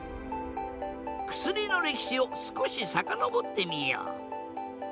薬の歴史を少し遡ってみよう。